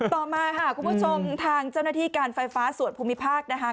ต่อมาค่ะคุณผู้ชมทางเจ้าหน้าที่การไฟฟ้าส่วนภูมิภาคนะคะ